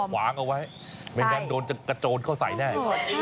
ขวางเอาไว้ไม่งั้นโดนจะกระโจนเข้าใส่แน่